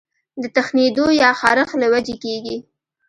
د تښنېدو يا خارښ له وجې کيږي